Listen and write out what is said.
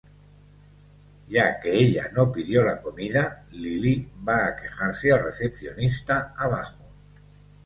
Ya que ella no pidió la comida, Lily va a quejarse al recepcionista abajo.